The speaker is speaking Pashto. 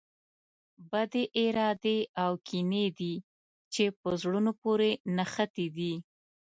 بدې ارادې او کینې دي چې په زړونو پورې نښتي دي.